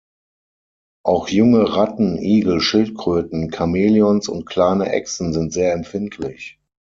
Auch junge Ratten, Igel, Schildkröten, Chamäleons und kleine Echsen sind sehr empfindlich.